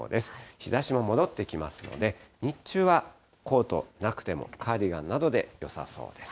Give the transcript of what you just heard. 日ざしも戻ってきますので、日中はコートなくても、カーディガンなどでよさそうです。